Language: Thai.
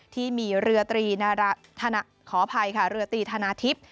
ที่มีเรือตรีขออภัยค่ะเรือตีธนาทิพย์